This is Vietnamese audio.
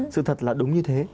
sự thật là đúng như thế